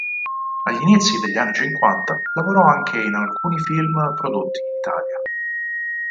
Agli inizi degli anni cinquanta lavorò anche in alcuni film prodotti in Italia.